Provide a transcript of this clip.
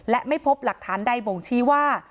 และไม่พบหลักฐานใดบ่งชี้ว่า